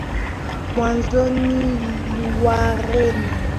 Mwanzoni Wareno walisaidia Ethiopia kujitetea dhidi ya mashambulio